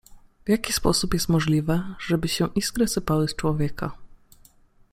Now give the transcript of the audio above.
w jaki sposób jest możliwe, żeby się iskry sypały z człowieka.